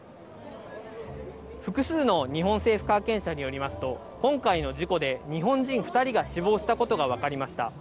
複数の日本政府関係者によりますと、今回の事故で日本人２人が死亡したことが分かりました。